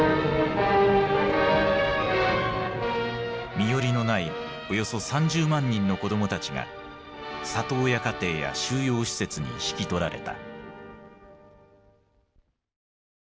身寄りのないおよそ３０万人の子どもたちが里親家庭や収容施設に引き取られた。